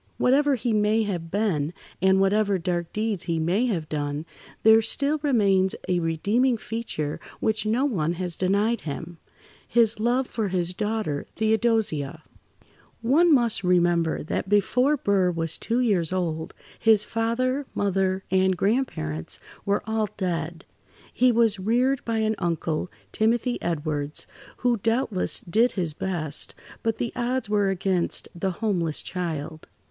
Whatever he may have been, and whatever dark deeds he may have done, there still remains a redeeming feature which no one has denied him—his love for his daughter, Theodosia. One must remember that before Burr was two years old, his father, mother, [Pg 61]and grandparents were all dead. He was reared by an uncle, Timothy Edwards, who doubtless did his best, but the odds were against the homeless child.